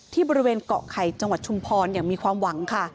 ที่บริเวณเกาะไข่จังหวัดชุมพรอย่างมีความหวังค่ะ